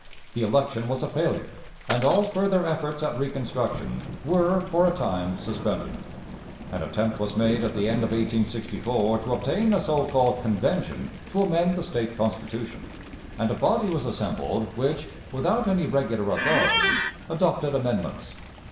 The election was a failure, and all further efforts at reconstruction were for a time suspended. An attempt was made at the end of 1864 to obtain a so called convention to amend the State Constitution, and a body was assembled which, without any regular authority, adopted amendments.